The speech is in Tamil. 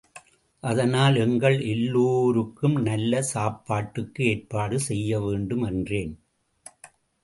அதனால் எங்கள் எல்லோருக்கும் நல்ல சாப்பாட்டுக்கு ஏற்பாடு செய்ய வேண்டும் என்றேன்.